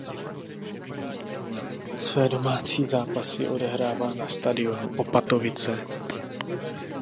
Své domácí zápasy odehrává na stadionu Opatovice.